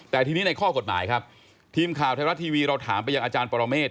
แต่ทีนี้ในข้อกฎหมายครับทีมข่าวไทยรัฐทีวีเราถามไปยังอาจารย์ปรเมฆ